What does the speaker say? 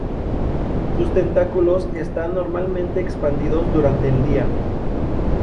Sus tentáculos están normalmente expandidos durante el día.